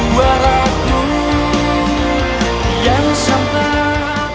mereka sudah berangkat